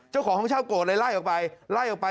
ห้องเช่าโกรธมาล่ายออกไป